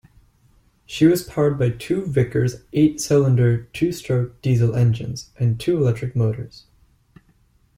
She was powered by two Vickers eight-cylinder two-stroke diesel engines and two electric motors.